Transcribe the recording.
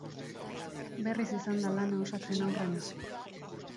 Berriz izan da lana osatzen aurrena.